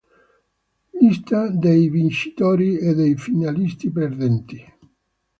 Lista dei vincitori e dei finalisti perdenti.